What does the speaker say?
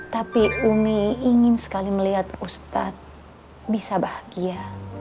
tapi umi ingin sekali melihat ustadz bisa bahagia